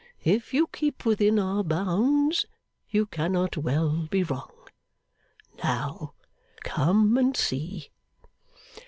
If you keep within our bounds, you cannot well be wrong. Now! Come and see.